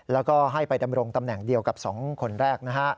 และให้ไปดำรงตำแหน่งเดียวกับสองคนแรก